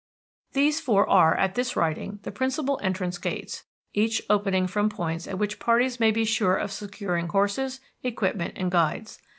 These four are, at this writing, the principal entrance gates, each opening from points at which parties may be sure of securing horses, equipment, and guides.